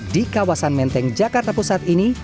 di kawasan menteng jakarta pusat ini